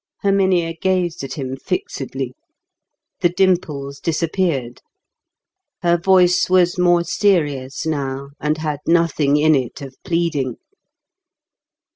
Herminia gazed at him fixedly; the dimples disappeared. Her voice was more serious now, and had nothing in it of pleading.